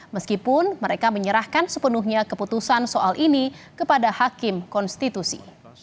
meskipun mereka menyerahkan sepenuhnya keputusan soal ini kepada hakim konstitusi